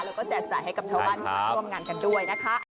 และแจบให้กับชาวบ้านทุกคนจัดการกันด้วยนะคะ